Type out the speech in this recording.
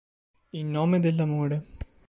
In nome dell'amore